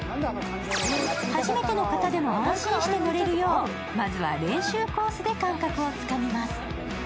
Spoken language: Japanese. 初めての方でも安心して乗れるよう、まずは練習コースで感覚をつかみます。